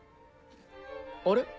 あれ？